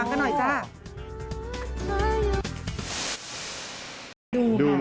ดูหมดแล้วครับ